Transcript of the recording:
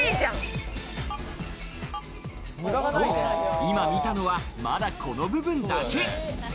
そう、今見たのは、まだ、この部分だけ。